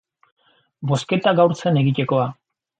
Bozketa gaur zen egitekoa.